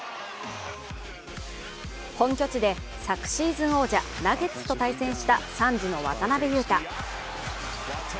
本拠地で昨シーズン王者・ナゲッツと対戦したサンズの渡邊雄太。